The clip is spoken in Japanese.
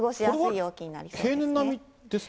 平年並みですか？